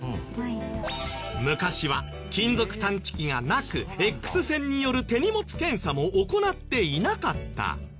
昔は金属探知機がなくＸ線による手荷物検査も行っていなかった。